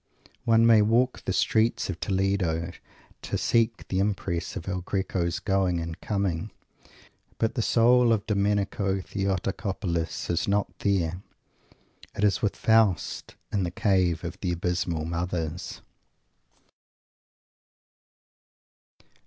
One may walk the streets of Toledo to seek the impress of El Greco's going and coming; but the soul of Domenico Theotocopoulos is not there. It is with Faust, in the cave of the abysmal "Mothers."